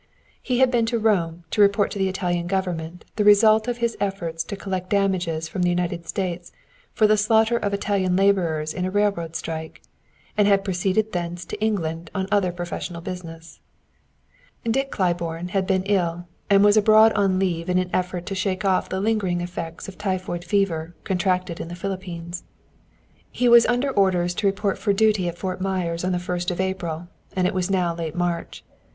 He had been to Rome to report to the Italian government the result of his efforts to collect damages from the United States for the slaughter of Italian laborers in a railroad strike, and had proceeded thence to England on other professional business. Dick Claiborne had been ill, and was abroad on leave in an effort to shake off the lingering effects of typhoid fever contracted in the Philippines. He was under orders to report for duty at Fort Myer on the first of April, and it was now late March.